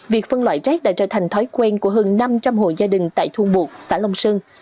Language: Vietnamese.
việc phân loại rác đã trở thành thói quen của hơn năm trăm linh hộ gia đình tại thung buộc xã long sơn